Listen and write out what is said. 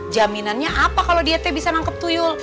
jaminannya apa kalau dia t bisa nangkep tuyul